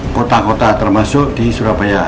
kota kota termasuk di surabaya